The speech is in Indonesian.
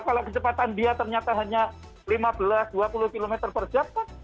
kalau kecepatan dia ternyata hanya lima belas dua puluh km per jam kan